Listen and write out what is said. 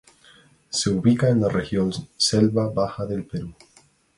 Se ubica en la región selva baja del Perú.